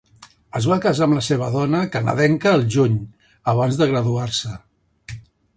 Es va casar amb la seva dona canadenca al juny, abans de graduar-se.